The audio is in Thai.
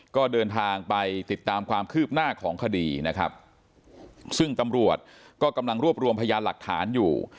ก็เดินทางไปติดตามความคืบหน้าของคดีนะครับซึ่งตำรวจก็กำลังรวบรวมพยานหลักฐานอยู่